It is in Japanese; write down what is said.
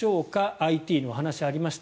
ＩＴのお話、ありました。